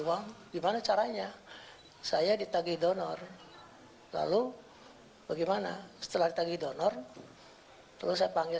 uang gimana caranya saya ditagih donor lalu bagaimana setelah ditagi donor terus saya panggil